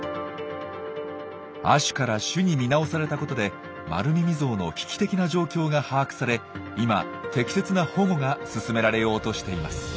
亜種から種に見直されたことでマルミミゾウの危機的な状況が把握され今適切な保護が進められようとしています。